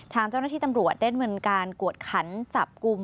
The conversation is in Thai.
ทางเจ้าหน้าที่ตำรวจได้เงินการกวดขันจับกลุ่ม